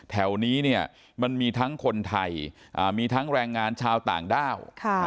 แถวนี้เนี่ยมันมีทั้งคนไทยมีทั้งแรงงานชาวต่างด้าว